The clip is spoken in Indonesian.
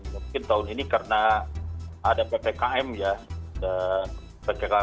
mungkin tahun ini karena ada ppkm ya